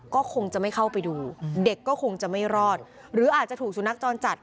ก็คงจะไม่เข้าไปดูเด็กก็คงจะไม่รอดหรืออาจจะถูกสุนัขจรจัด